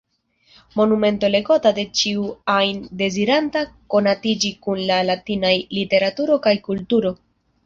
Monumento legota de ĉiu ajn deziranta konatiĝi kun la latinaj literaturo kaj kulturo.